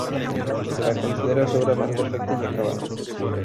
Se la considera su obra más perfecta y acabada.